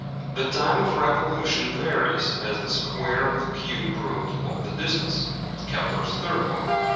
The time of revolution varies as the square of the cube root of the distance (Kepler's third law).